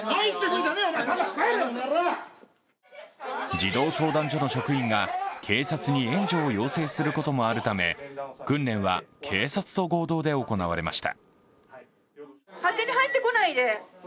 児童相談所の職員が警察に援助を要請することもあるため訓練は警察と合同で行われました。